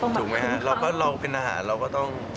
ถูกไหมฮะเราก็เราเป็นอาหารเราก็ต้อง